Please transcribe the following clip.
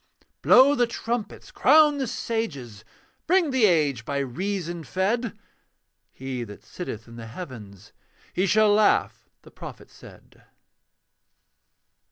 Blow the trumpets, crown the sages, Bring the age by reason fed! (He that sitteth in the heavens, 'He shall laugh' the prophet said.)